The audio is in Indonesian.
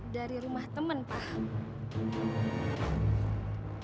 dari rumah temen pak